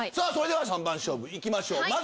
それでは３番勝負行きましょう。